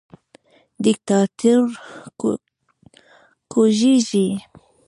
دیکتاتور کوزیږي